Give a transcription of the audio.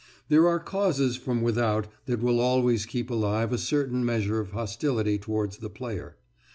There are causes from without that will always keep alive a certain measure of hostility towards the player.